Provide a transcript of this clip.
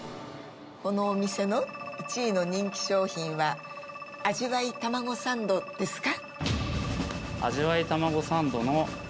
このお店の１位の人気商品は味わいたまごサンドですか？